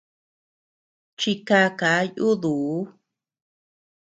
Chikaka yuduu.